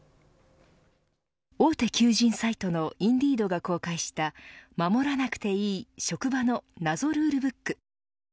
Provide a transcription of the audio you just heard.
大手求人サイトのｉｎｄｅｅｄが公開した守らなくていい職場の謎ルールブック。